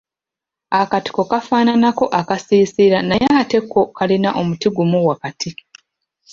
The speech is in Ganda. Akatiko kafaananako akasiisira naye ate ko kaliko omuti gumu wakati.